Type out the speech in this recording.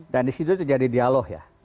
dan di situ terjadi dialog ya